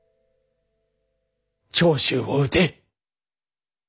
長州を討て。